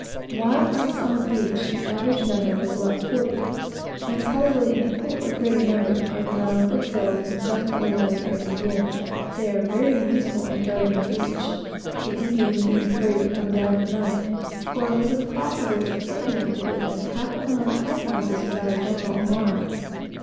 While I was on the beach, the average number was about forty, and probably an equal, or greater number are drowned, or killed in some other way, every year. They are very useful in guarding the beach, the Indians being afraid to come down at night; for it was impossible for any one to get within half a mile of the hide houses without a general alarm.